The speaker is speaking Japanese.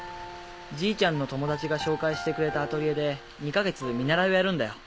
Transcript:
じいちゃんの友達が紹介してくれたアトリエで２か月見習いをやるんだよ。